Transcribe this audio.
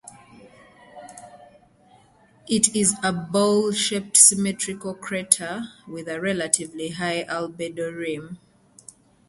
It is a bowl-shaped, symmetrical crater with a relatively high-albedo rim.